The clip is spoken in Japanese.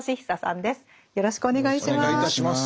よろしくお願いします。